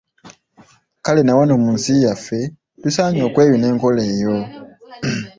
Kale na wano mu nsi yaffe tusaanye okweyuna enkola eyo.